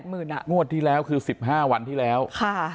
มวดที่แล้วคือ๑๕วันที่แล้วค่ะ